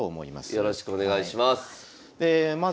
よろしくお願いします。